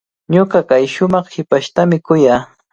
Ñuqa kay shumaq hipashtami kuyaa.